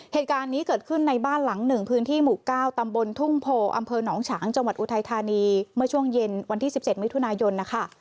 เหตุการณ์นี้เกิดขึ้นในบ้านหลังหนึ่งพื้นที่หมู่๙ตำบลทุ่งโพอำเภอหนองฉางจังหวัดอุทัยธานีเมื่อช่วงเย็นวันที่๑๗มิถุนายนนะคะ